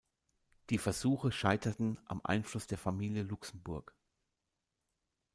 Die Versuche scheiterten am Einfluss der Familie Luxemburg.